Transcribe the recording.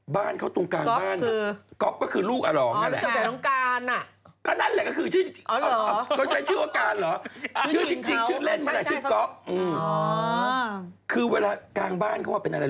บ้านเขาตรงกลางบ้านก๊อฟก็คือลูกอรองนั่นแหละ